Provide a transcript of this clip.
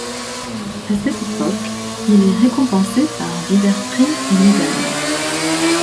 À cette époque, il est récompensé par divers prix et médailles.